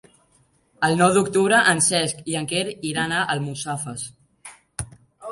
El nou d'octubre en Cesc i en Quer iran a Almussafes.